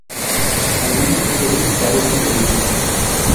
Algunas especies carecen de limbo.